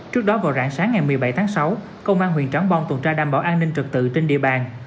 trước đó vào rạng sáng ngày một mươi bảy tháng sáu công an huyện trắng bom tuần tra đảm bảo an ninh trật tự trên địa bàn